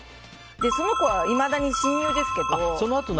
その子はいまだに親友ですけど。